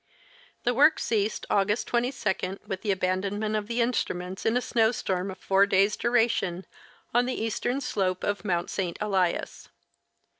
The work ceased August 22 with the abandonment of the instruments in a snow storm of four days' duration on the eastern slope of Mount St. Elias.